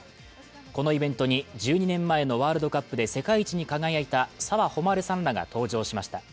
このイベントに１２年前のワールドカップで世界一に輝いた澤穂希さんらが登場しました。